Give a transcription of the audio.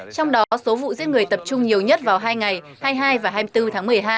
trong đó số vụ giết người tập trung nhiều nhất vào hai ngày hai mươi hai và hai mươi bốn tháng một mươi hai